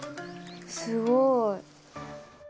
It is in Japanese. すごい。